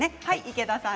池田さん